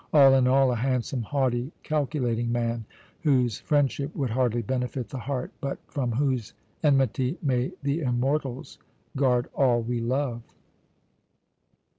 All in all, a handsome, haughty, calculating man, whose friendship would hardly benefit the heart, but from whose enmity may the immortals guard all we love!